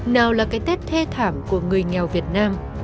nào là cái tết thê thảm của người nghèo việt nam